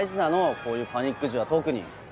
こういうパニック時は特に。